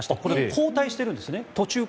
交代しているんですね。